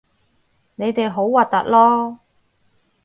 你哋好核突囉